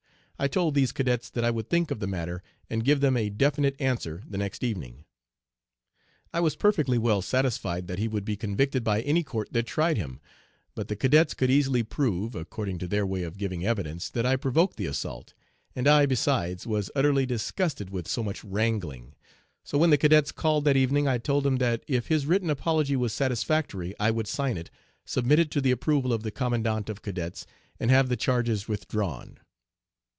I told these cadets that I would think of the matter and give them a definite answer the next evening. "I was perfectly well satisfied that he would be convicted by any court that tried him; but the cadets could easily prove (according to their way of giving evidence) that I provoked the assault, and I, besides, was utterly disgusted with so much wrangling, so when the cadets called that evening I told them that if his written apology was satisfactory I would sign it, submit it to the approval of the Commandant of Cadets, and have the charges withdrawn.